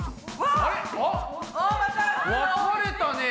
あっ分かれたね。